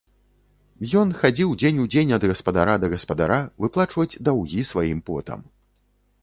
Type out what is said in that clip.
Ён хадзіў дзень у дзень ад гаспадара да гаспадара выплачваць даўгі сваім потам.